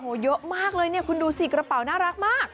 โอ้โหเยอะมากเลยเนี่ยคุณดูสิกระเป๋าน่ารักมาก